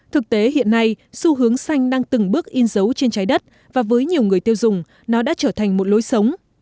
thực tế hiện nay xu hướng xanh đang từng bước in dấu trên trái đất và với nhiều người tiêu dùng nó đã trở thành một lối sống